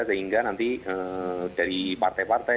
sehingga nanti dari partai partai